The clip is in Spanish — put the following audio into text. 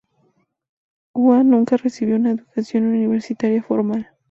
Hua nunca recibió una educación universitaria formal.